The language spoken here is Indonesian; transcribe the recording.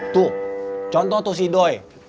tuh contoh tuh si doi